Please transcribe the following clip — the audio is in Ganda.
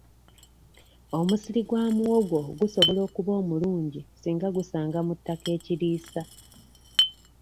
Omusiri gwa muwogo gusobola okuba omulungi singa gusanga mu ttaka ekiriisa.